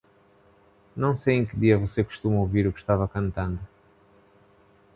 Não sei em que dia você costuma ouvir que estava cantando.